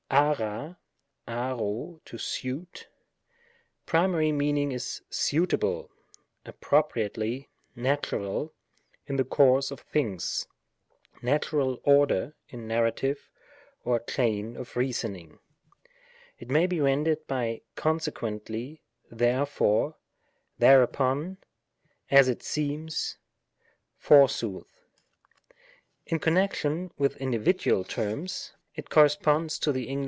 aqu {aqcoy to suit). Primary meaning is suitahVy^ a^rop*iatehf^ natwrcd in the course of things, natural (yi^der in narrative, or chain of reasoning ; it may be rendered by consequently^ therefore^ the^'ewpon^ as it aeems^ forsooth. In connection with individual terms, §142. PABTICLES. 205 it corresponds to the Eng.